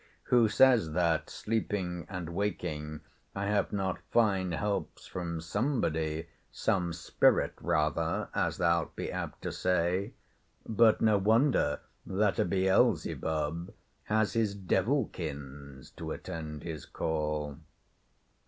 Who says that, sleeping and waking, I have not fine helps from somebody, some spirit rather, as thou'lt be apt to say? But no wonder that a Beelzebub has his devilkins to attend his call.